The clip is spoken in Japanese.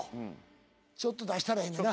ちょっと出したらええねんな。